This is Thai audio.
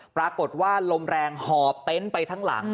ปรากฏว่าลมแรงหอบเต็นต์ไปทั้งหลัง